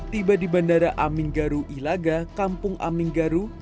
tiba di bandara aminggaru ilaga kampung aminggaru